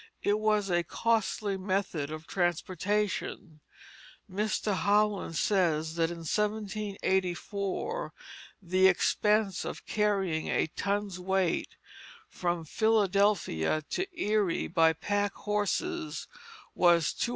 It was a costly method of transportation. Mr. Howland says that in 1784 the expense of carrying a ton's weight from Philadelphia to Erie by pack horses was $249.